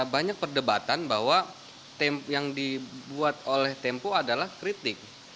banyak perdebatan bahwa yang dibuat oleh tempo adalah kritik